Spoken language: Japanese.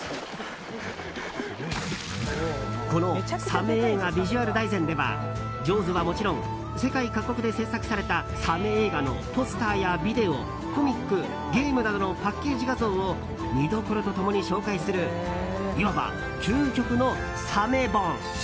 この「サメ映画ビジュアル大全」では「ジョーズ」はもちろん世界各国で制作されたサメ映画のポスターやビデオコミック、ゲームなどのパッケージ画像を見どころと共に紹介するいわば究極のサメ本。